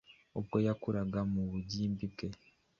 ubwo yakuraga mu bugimbi bwe,